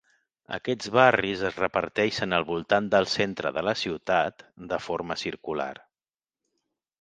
Aquests barris es reparteixen al voltant del centre de la ciutat, de forma circular.